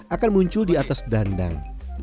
akan muncul di atas dandang